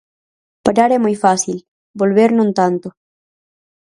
Parar é moi fácil, volver non tanto.